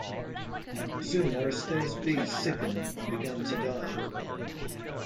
Soon Aristaeus' bees sickened and began to die.